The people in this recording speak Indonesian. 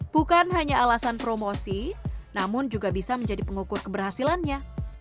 bukan hanya alasan promosi namun juga bisa menjadi pengukur keberhasilannya